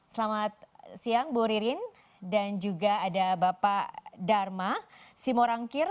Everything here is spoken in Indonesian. selamat siang bu ririn dan juga ada bapak dharma simorangkir